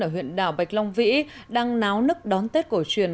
ở huyện đảo bạch long vĩ đang náo nức đón tết cổ truyền